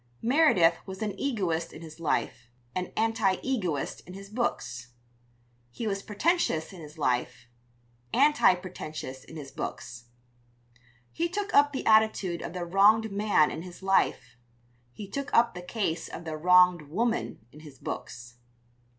Meredith was an egoist in his life, an anti egoist in his books. He was pretentious in his life, anti pretentious in his books. He took up the attitude of the wronged man in his life; he took up the case of the wronged woman in his books.